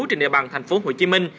trên địa bàn tp hcm